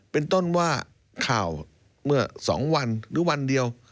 เป็นต้นว่าข่าวเมื่อ๒วันหรือวันเดียว